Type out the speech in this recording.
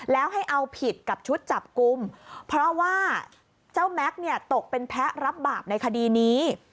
แล้วให้เอาผิดกับชุดจับกลุ่มเพราะว่าเจ้าแม็กซ์เนี่ยตกเป็นแพ้รับบาปในคดีนี้